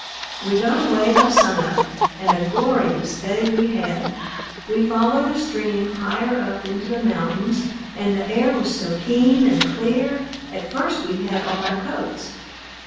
We got away by sunup and a glorious day we had. We followed a stream higher up into the mountains and the air was so keen and clear at first we had on our coats.